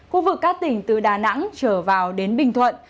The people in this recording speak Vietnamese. khu vực các tỉnh từ đà nẵng trở vào đến bình thuận